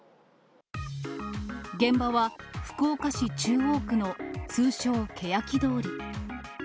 現場は福岡市中央区の通称、けやき通り。